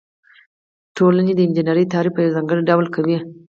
ټولنې د انجنیری تعریف په یو ځانګړي ډول کوي.